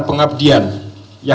terutama dari pemerintahan